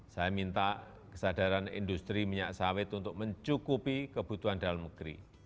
saya minta kesadaran industri minyak sawit untuk mencukupi kebutuhan dalam negeri